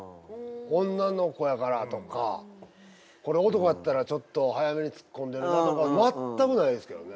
女の子やからとかこれ男やったらちょっと早めにツッコんでるなとか全くないですけどね。